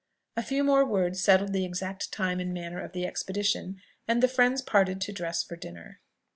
A few more words settled the exact time and manner of the expedition, and the friends parted to dress for dinner.